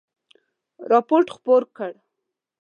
رپوټ خپور کړ.